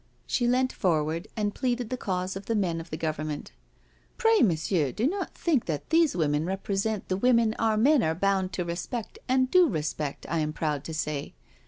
She leant forward and pleaded the cause of the men of the Government. " Pray, Monsieur, do not think that these women represent the women our men are bound to respect and do respect, I am proud to say.